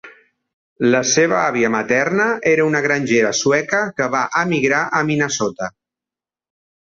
La seva àvia materna era una grangera sueca que va emigrar a Minnesota.